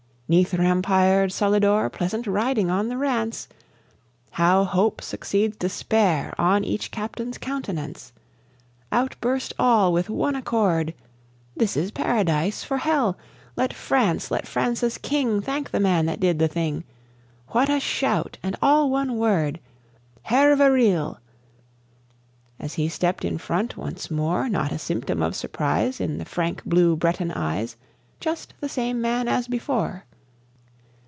'Neath rampired Solidor pleasant riding on the Rance!" How hope succeeds despair on each Captain's countenance! Out burst all with one accord, "This is Paradise for Hell! Let France, let France's King Thank the man that did the thing!" What a shout, and all one word, "Hervé Riel!" As he stepped in front once more, Not a symptom of surprise In the frank blue Breton eyes, Just the same man as before.